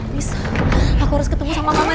terus aku harus ketemu sama mama